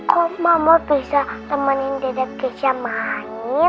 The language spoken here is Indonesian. kok mama bisa nemenin dedek keisha main